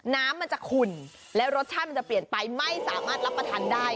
น้ำมันจะขุ่นแล้วรสชาติมันจะเปลี่ยนไปไม่สามารถรับประทานได้